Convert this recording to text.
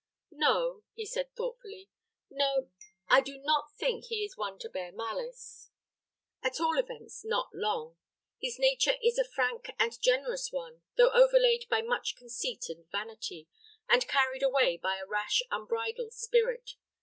"No," he said, thoughtfully; "no; I do not think he is one to bear malice at all events, not long. His nature is a frank and generous one, though overlaid by much conceit and vanity, and carried away by a rash, unbridled spirit.